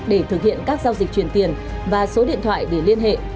để thực hiện các giao dịch truyền tiền và số điện thoại để liên hệ